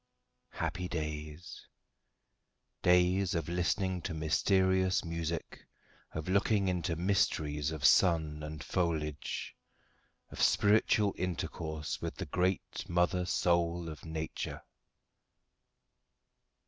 Happy days! days of listening to mysterious music, of looking into mysteries of sun and foliage, of spiritual intercourse with the great mother soul of nature.